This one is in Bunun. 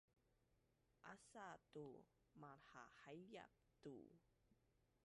Asa tu malhahai-iap tu